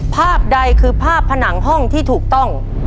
ภาพใดคือภาพผนังห้องที่ถูกต้อง